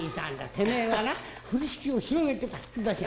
てめえはな風呂敷を広げてパッと出す。